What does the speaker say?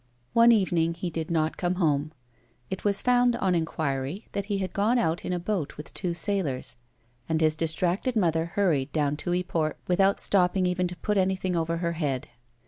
One evening he did not come home. It was found, on inquiry, that he had gone out in a boat, with two sailors, and his distracted mother* hurried down to Yport, without stop ping even to put anything over her head.